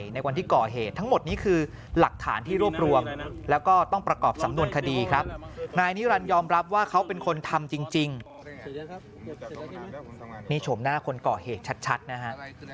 นี่โฉมหน้าคนก่อเหตุชัดนะฮะ